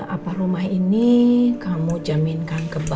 apa rumah ini kamu jaminkan ke bank untuk perusahaan